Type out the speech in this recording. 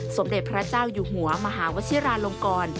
สมเด็จพระเจ้าอยู่หัวมหาวชิราลงกร